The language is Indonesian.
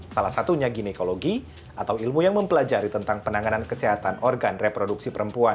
salah satunya ginekologi atau ilmu yang mempelajari tentang penanganan kesehatan organ reproduksi perempuan